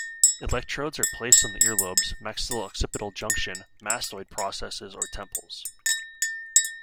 Electrodes are placed on the ear lobes, maxilla-occipital junction, mastoid processes or temples.